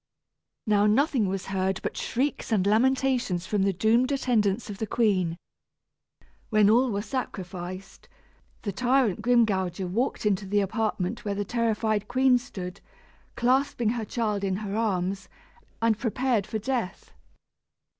Now nothing was heard but shrieks and lamentations from the doomed attendants of the queen. When all were sacrificed, the tyrant Grimgouger walked into the apartment where the terrified queen stood, clasping her child in her arms, and prepared for death.